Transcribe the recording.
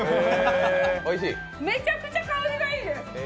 めちゃくちゃ香りがいいです。